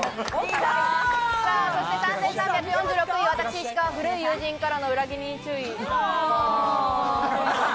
そして３３４６位、私、石川、古い友人からの裏切りに注意。